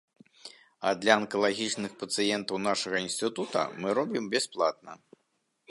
А для анкалагічных пацыентаў нашага інстытута мы робім бясплатна.